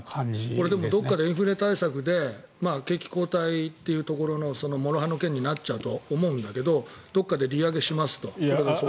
これどこかでインフレ対策で景気後退のもろ刃の剣になると思うんだけどどこかで利上げしますと。